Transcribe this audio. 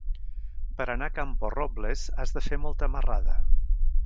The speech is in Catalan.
Per anar a Camporrobles has de fer molta marrada.